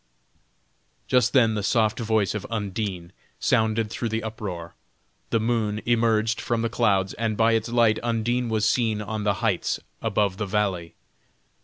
Just then the soft voice of Undine sounded through the uproar, the moon emerged from the clouds, and by its light Undine was seen on the heights above the valley.